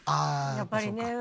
やっぱりね。